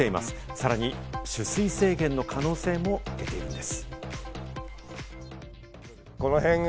さらに取水制限の可能性も出ているんです。